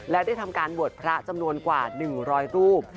และได้ทำการบวชพระจำนวนกว่า๑๐๐รูป